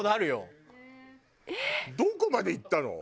どこまでいったの？